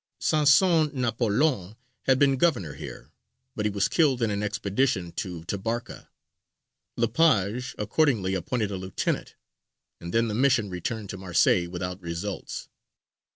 Sanson Napolon had been governor here, but he was killed in an expedition to Tabarka; Le Page accordingly appointed a lieutenant, and then the Mission returned to Marseilles, without results.